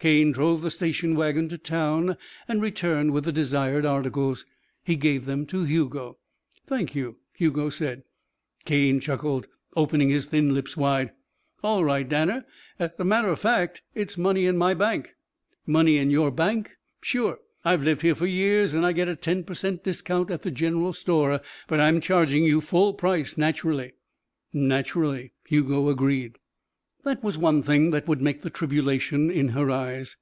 Cane drove the station wagon to town and returned with the desired articles. He gave them to Hugo. "Thank you," Hugo said. Cane chuckled, opening his thin lips wide. "All right, Danner. As a matter of fact, it's money in my bank." "Money in your bank?" "Sure. I've lived here for years and I get a ten per cent discount at the general store. But I'm charging you full price naturally." "Naturally," Hugo agreed. That was one thing that would make the tribulation in her eyes.